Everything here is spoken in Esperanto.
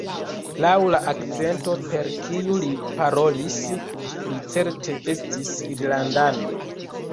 Laŭ la akcento per kiu li parolis li certe estis irlandano.